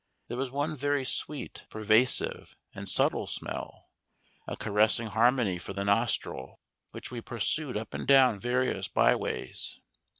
There was one very sweet, pervasive, and subtle smell, a caressing harmony for the nostril, which we pursued up and down various byways.